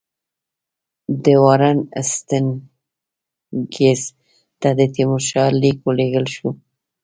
د وارن هېسټینګز ته د تیمورشاه لیک ولېږل شو.